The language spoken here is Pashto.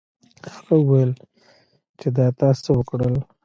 هغه وویل چې دا تا څه وکړل.